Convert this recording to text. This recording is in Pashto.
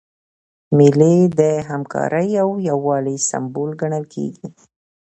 مېلې د همکارۍ او یووالي سمبول ګڼل کېږي.